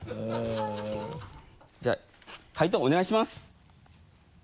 じゃあ解答お願いします。